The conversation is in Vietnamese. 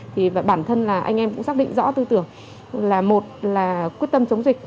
thì bản thân là anh em cũng xác định rõ tư tưởng là một là quyết tâm chống dịch